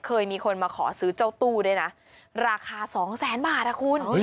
เคยมีคนมาขอซื้อเจ้าตู้ด้วยนะราคาสองแสนบาทอ่ะคุณ